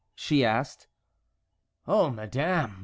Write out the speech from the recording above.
she asked. "Oh, madame!